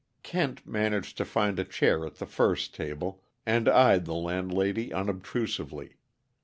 Kent managed to find a chair at the first table, and eyed the landlady unobtrusively.